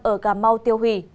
và gà mau tiêu hủy